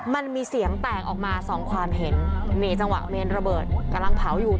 มันมีเสียงแตกออกมาสองความเห็นนี่จังหวะเมนระเบิดกำลังเผาอยู่